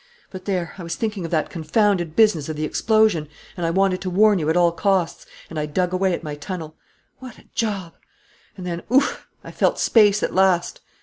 But there, I was thinking of that confounded business of the explosion and I wanted to warn you at all costs, and I dug away at my tunnel. What a job! And then, oof! I felt space at last!